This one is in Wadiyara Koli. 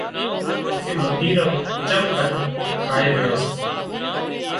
ڪي متريران چم گھٽ ٿائي ران سي